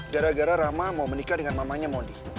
gara gara rama mau menikah dengan mamanya modi